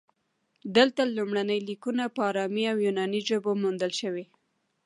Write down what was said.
دلته لومړني لیکونه په ارامي او یوناني ژبو موندل شوي